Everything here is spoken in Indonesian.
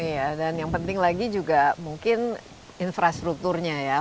iya dan yang penting lagi juga mungkin infrastrukturnya ya